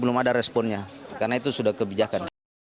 belum ada responnya karena itu sudah kebijakan